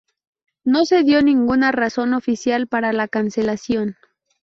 No se dio ninguna razón oficial para la cancelación.